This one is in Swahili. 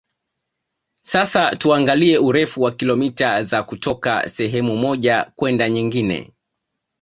Sasa tuangalie urefu wa kilomita za kutoka sehemu moja kwenda nyingine